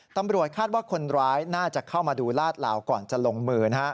ตำรวจคาดว่าคนร้ายน่าจะเข้ามาดูลาดลาวก่อนจะลงมือ